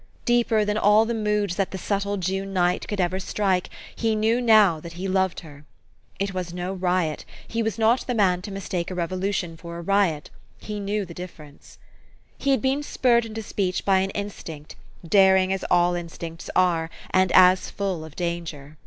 Deeper than all the moods that the subtle June night could ever strike, he knew now that he loved her. It was no riot : he was not the man to mistake a revolution for a riot ; he knew the difference. He had been spurred into speech by an instinct, daring as all instincts are, and as full of danger.